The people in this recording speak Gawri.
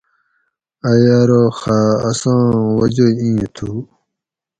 ائ ارو خہ اساں وجہ ایں تھو